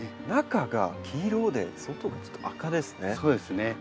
中が黄色で外がちょっと赤ですね。